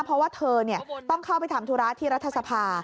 เพราะว่าเธอต้องเข้าไปทำธุระที่รัฐสภา